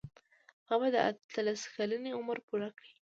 هغه باید د اتلس کلنۍ عمر پوره کړي.